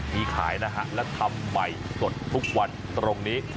มีขายนะฮะและทำใหม่สดทุกวันตรงนี้